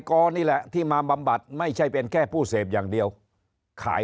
นี่แหละที่มาบำบัดไม่ใช่เป็นแค่ผู้เสพอย่างเดียวขาย